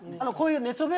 こういう。